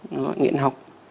nó gọi là nghiện học